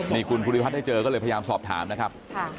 นี่คุณภูริพัฒน์ได้เจอก็เลยพยายามสอบถามนะครับ